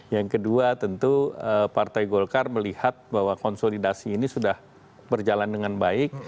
yang kedua tentu partai golkar melihat bahwa konsolidasi ini sudah berjalan dengan baik